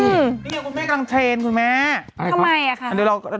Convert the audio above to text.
นี่คือคุณแม่กำลังเทรนคุณแม่